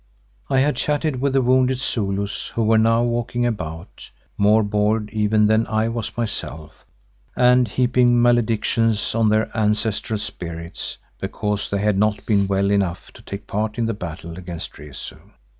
I had chatted with the wounded Zulus, who were now walking about, more bored even than I was myself, and heaping maledictions on their ancestral spirits because they had not been well enough to take part in the battle against Rezu.